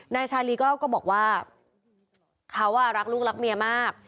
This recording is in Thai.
ชาลีก็บอกว่าเขารักลูกรักเมียมาก